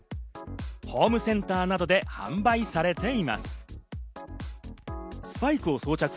ホームセンターなどで販売されています。